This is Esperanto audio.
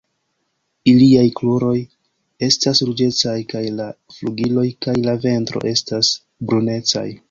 Iliaj kruroj estas ruĝecaj kaj la flugiloj kaj la ventro estas brunecaj.